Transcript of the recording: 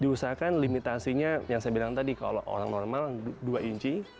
diusahakan limitasinya yang saya bilang tadi kalau orang normal dua inci